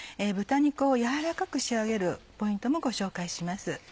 豚肉を軟らかく仕上げるポイントもご紹介します。